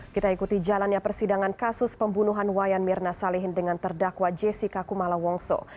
kita ikuti jalannya persidangan kasus pembunuhan wayan mirna salihin dengan terdakwa jessica kumala wongso